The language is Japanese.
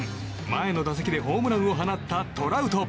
前の打席でホームランを放ったトラウト。